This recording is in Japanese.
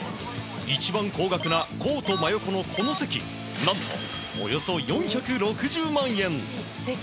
一番高額なコート真横のこの席何と、およそ４６０万円。